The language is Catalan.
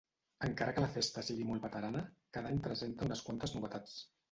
Encara que la festa sigui molt veterana, cada any presenta unes quantes novetats.